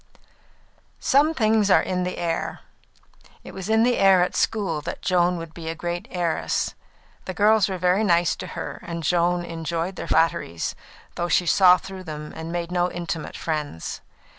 Some things are in the air. It was in the air at school that Joan would be a great heiress. The girls were very nice to her, and Joan enjoyed their flatteries, though she saw through them and made no intimate friends.